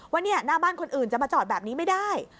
ว่าเนี่ยหน้าบ้านคนอื่นจะมาจอดแบบนี้ไม่ได้